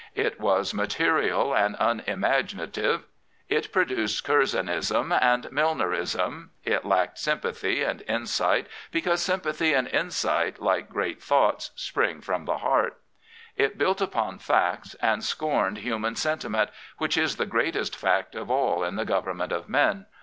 It was material and unimagina tive. It produced Curzonism and Milnerism. It lacked S3mipathy and insight, because sympathy and insight, like great thoughts, spring from the heart. S7 Prophets, Priests, and Kings It built upon facts and scorned human sentiment, which is the greatest fact of all in the government of men.